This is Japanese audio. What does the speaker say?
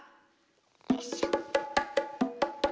よいしょ。